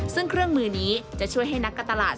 ซึ่งเครื่องมือนี้จะช่วยให้นักการตลาด